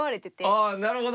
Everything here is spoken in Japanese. ああなるほど。